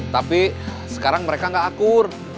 tapi sekarang mereka nggak akur